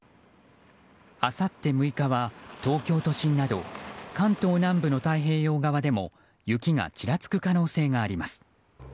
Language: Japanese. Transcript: あさって６日は東京都心など関東南部の太平洋側でも雪がちらつく可能性があります。